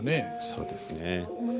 そうですね。